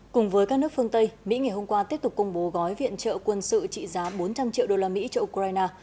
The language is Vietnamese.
cùng với các nước phương tây mỹ ngày hôm qua tiếp tục công bố gói viện trợ quân sự trị giá bốn trăm linh triệu đô la mỹ cho ukraine